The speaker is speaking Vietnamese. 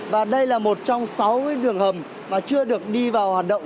và đây là một trong sáu đường hầm mà chưa được đi vào hoạt động